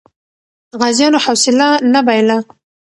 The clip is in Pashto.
غازیانو حوصله نه بایله.